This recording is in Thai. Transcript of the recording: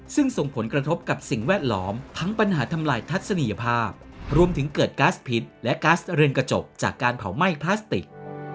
ซึ่งส่งผลกระทบกับสิ่งแวดล้อมทั้งปัญหาทำลายทัศนียภาพรวมถึงเกิดก๊าซพิษและก๊าซเรือนกระจกจากการเผาไหม้พลาสติก